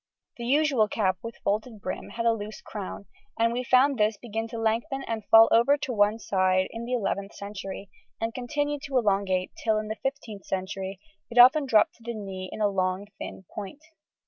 The usual cap with folded brim had a loose crown, and we find this began to lengthen and fall over to one side in the 11th century, and continued to elongate till, in the 15th century, it often dropped to the knee in a long thin point.